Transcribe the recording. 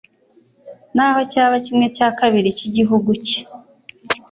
naho cyaba kimwe cya kabiri cy'igihugu cye.